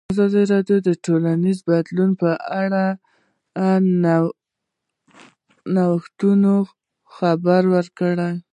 ازادي راډیو د ټولنیز بدلون په اړه د نوښتونو خبر ورکړی.